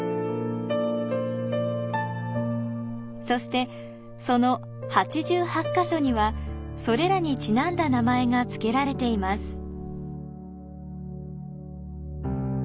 そしてその８８か所には、それらにちなんだ名前がつけられています。